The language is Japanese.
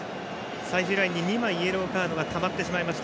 最終ラインに２枚イエローカードがたまってしまいました。